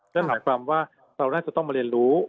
นั่นหมายความว่าเราน่าจะต้องมาเรียนรู้